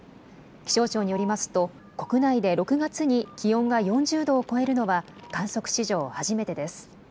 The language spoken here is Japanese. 気象庁によりますと国内で６月に気温が４０度を超えるのは観測史上初めてです。